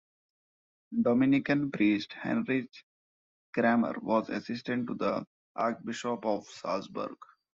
Dominican priest Heinrich Kramer was assistant to the Archbishop of Salzburg.